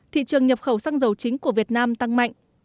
thị trường nhập khẩu xăng dầu chính của việt nam tăng mạnh